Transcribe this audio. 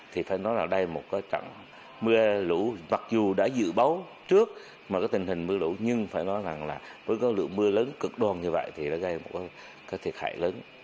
thì phải nói là đây là một cái trận mưa lũ mặc dù đã dự báo trước mà cái tình hình mưa lũ nhưng phải nói rằng là với cái lượng mưa lớn cực đoan như vậy thì đã gây một cái thiệt hại lớn